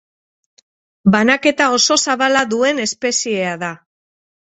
Banaketa oso zabala duen espeziea da.